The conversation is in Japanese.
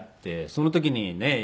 その時にねえ